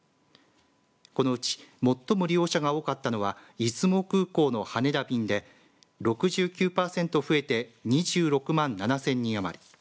このうち最も利用者が多かったのは出雲空港の羽田便で６９パーセント増えて２６万７０００人余り。